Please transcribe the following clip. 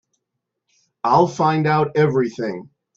I'll find out everything.